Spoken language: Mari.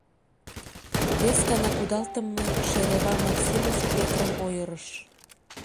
Вес гана кудалтыме шерева Максимов Петрым ойырыш.